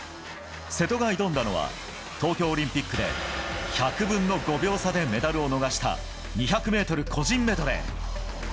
瀬戸が挑んだのは、東京オリンピックで１００分の５秒差でメダルを逃した２００メートル個人メドレー。